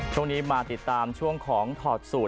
ช่วงนี้มาติดตามช่วงของถอดสูตร